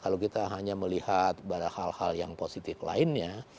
kalau kita hanya melihat pada hal hal yang positif lainnya